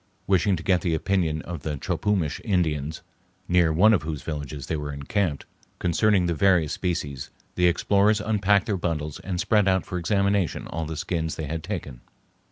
Wishing to get the opinion of the Chopumish Indians, near one of whose villages they were encamped, concerning the various species, the explorers unpacked their bundles and spread out for examination all the skins they had taken.